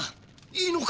いいのか？